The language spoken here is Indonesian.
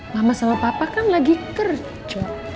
mama sama papa kan lagi kerja